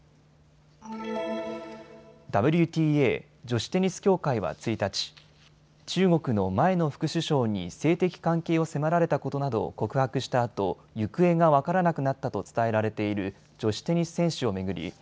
ＷＴＡ・女子テニス協会は１日、中国の前の副首相に性的関係を迫られたことなどを告白したあと行方が分からなくなったと伝えられている女子テニス選手を巡り